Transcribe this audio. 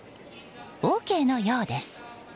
ＯＫのようです。